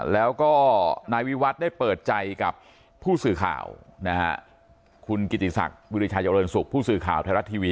แล้วก็นายวิวัฒน์ได้เปิดใจกับผู้สื่อข่าวนะฮะคุณกิติศักดิ์วิริชาเจริญสุขผู้สื่อข่าวไทยรัฐทีวี